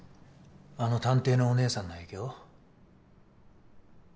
あの探偵のおねえさんの影響？